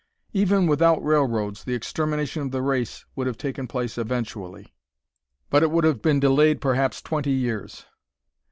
Even without railroads the extermination of the race would have taken place eventually, but it would have been delayed perhaps twenty years.